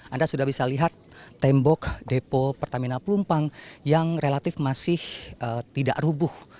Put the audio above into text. anda sudah bisa lihat tembok depo pertamina pelumpang yang relatif masih tidak rubuh